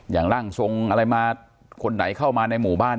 ร่างทรงอะไรมาคนไหนเข้ามาในหมู่บ้าน